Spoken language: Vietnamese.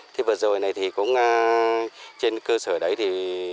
thế vừa rồi này thì cũng trên cơ sở đấy thì